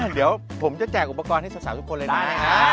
เดี๋ยวผมจะแจกอุปกรณ์ให้สาวทุกคนเลยนะ